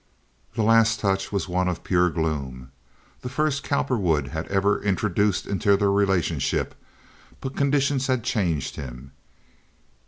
This last touch was one of pure gloom, the first Cowperwood had ever introduced into their relationship but conditions had changed him.